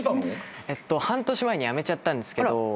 半年前にやめちゃったんですけど。